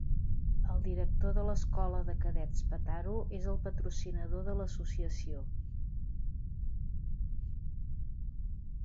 El director de l'Escola de Cadets Petaro és el patrocinador de l'associació.